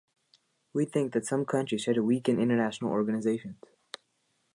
We think that some countries try to weaken international organizations.